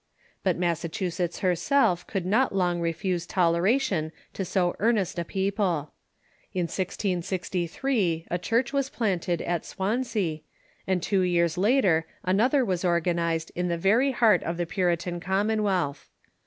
But Massachusetts herself could not long refuse toleration to so earnest a people. In 1663 a church was planted in Swan sea, and two years later another was organized in the very heart of the Puritan commonwealth.